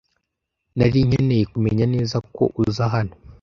Nari nkeneye kumenya neza ko uza hano.